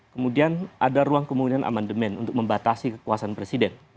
kemudian ada ruang kemungkinan amandemen untuk membatasi kekuasaan presiden